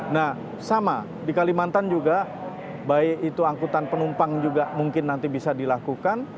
nah sama di kalimantan juga baik itu angkutan penumpang juga mungkin nanti bisa dilakukan